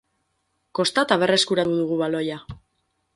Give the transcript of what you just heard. Kostata berreskuratu dugu baloia.